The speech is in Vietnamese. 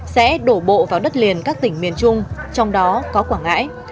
sẽ đổ bộ vào đất liền các tỉnh miền trung trong đó có quảng ngãi